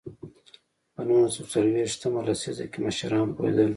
په نولس سوه څلوېښت مه لسیزه کې مشران پوهېدل.